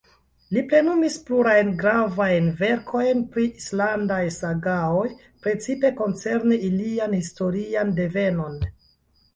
Li plenumis plurajn gravajn verkojn pri islandaj sagaoj, precipe koncerne ilian historian devenon.